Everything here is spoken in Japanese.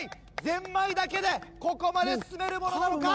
ゼンマイだけでここまで進めるものなのか